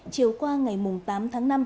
chiều qua ngày tám tháng năm